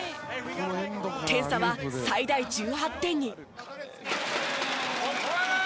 点差は最大１８点に。